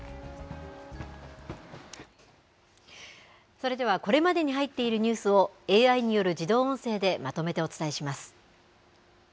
それでは、これまでに入っているニュースを、ＡＩによる自動音声でまとめてお伝えします。